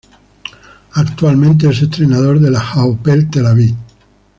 Actualmente es entrenador del Hapoel Tel Aviv.